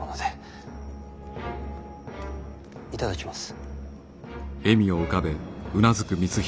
頂きます。